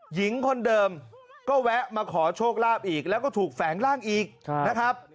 หญิงคนเดิมก็แวะมาขอโชคลาภอีกแล้วก็ถูกแฝงร่างอีกนะครับ